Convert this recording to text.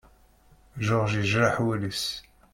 George yejreḥ wul-is.